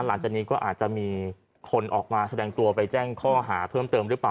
หลังจากนี้ก็อาจจะมีคนออกมาแสดงตัวไปแจ้งข้อหาเพิ่มเติมหรือเปล่า